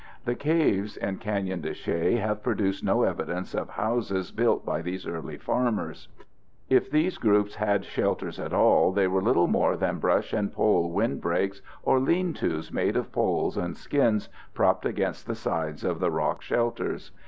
The caves in Canyon de Chelly have produced no evidence of houses built by these early farmers. If these groups had shelters at all, they were little more than brush and pole windbreaks or lean tos made of poles and skins propped against the sides of the rock shelters.